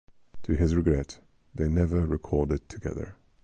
To his regret, they never recorded together.